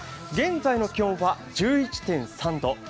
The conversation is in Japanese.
現在の気温は１１．３度。